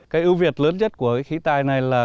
cái ưu việt lớn nhất của cái khí tài này là